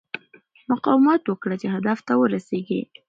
مقاومت وکړه چې هدف ته ورسېږې.